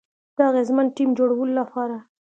د اغیزمن ټیم جوړولو لپاره